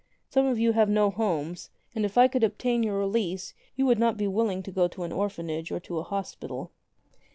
Some of you have no homes, and if I could obtain your release you would not be willing to go to an orphanage or to a hospital."